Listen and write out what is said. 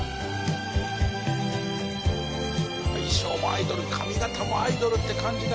衣装もアイドル髪形もアイドルって感じだ。